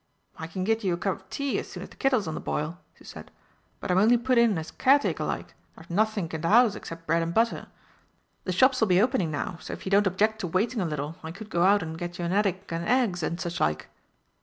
"I can git you a cup of tea as soon as the kittle's on the boil," she said, "but I'm only put in as caretaker like, and I've nothink in the 'ouse except bread and butter. The shops'll be opening now, so if you don't object to waiting a little, I could go out and get you a naddick and eggs and such like."